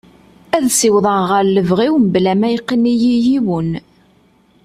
Ad siwḍeɣ ɣer lebɣi-w mebla ma yeqqen-iyi yiwen.